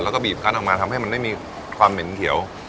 แล้วก็บีบกั้นออกมาทำให้มันไม่มีความเหม็นเขียว